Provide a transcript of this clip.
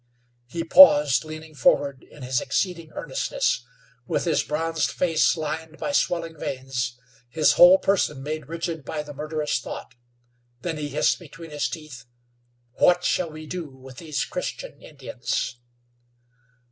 He paused, leaning forward in his exceeding earnestness, with his bronzed face lined by swelling veins, his whole person made rigid by the murderous thought. Then he hissed between his teeth: "What shall we do with these Christian Indians?"